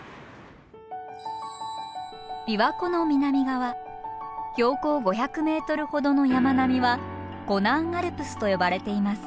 琵琶湖の南側標高５００ｍほどの山並みは湖南アルプスと呼ばれています。